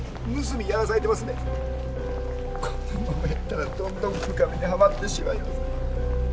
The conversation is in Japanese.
このままやったらどんどん深みにはまってしまいます。